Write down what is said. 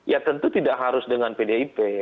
ya tentu tidak harus dengan pdip